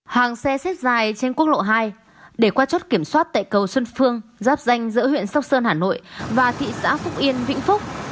hàng xe xếp dài trên quốc lộ hai để qua chốt kiểm soát tại cầu xuân phương giáp danh giữa huyện sóc sơn hà nội và thị xã phúc yên vĩnh phúc